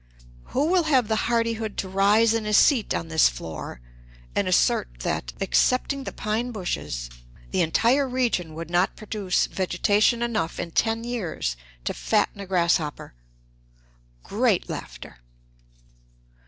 Who will have the hardihood to rise in his seat on this floor and assert that, excepting the pine bushes, the entire region would not produce vegetation enough in ten years to fatten a grasshopper? (Great laughter.)